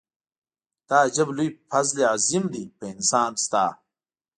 دا عجب لوی فضل عظيم دی په انسان ستا.